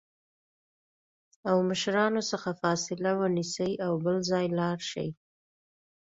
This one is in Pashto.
او مشرانو څخه فاصله ونیسي او بل ځای لاړ شي